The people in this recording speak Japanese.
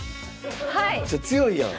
めっちゃ強いやん！